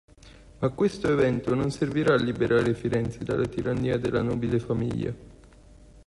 Ma questo evento non servirà a liberare Firenze dalla tirannia della nobile famiglia.